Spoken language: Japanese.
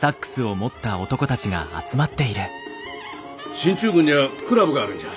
進駐軍にゃあクラブがあるんじゃ。